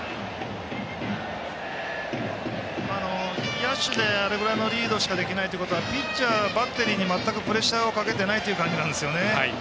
野手であれぐらいのリードしかできないってことはピッチャー、バッテリーに全くプレッシャーをかけてないという感じなんですね。